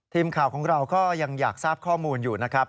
ทีมข่าวของเราก็ยังอยากทราบข้อมูลอยู่นะครับ